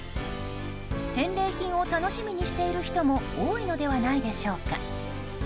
返礼品を楽しみにしている人も多いのではないでしょうか？